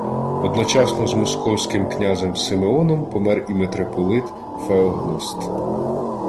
Одночасно з московським князем Симеоном помер і митрополит Феогност